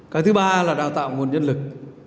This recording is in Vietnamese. cái thứ ba là đào tạo nguồn nhân lực